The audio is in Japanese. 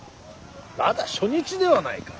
まだ初日ではないか。